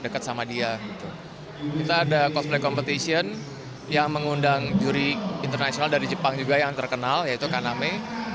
kita ada cosplay competition yang mengundang juri internasional dari jepang juga yang terkenal yaitu kaname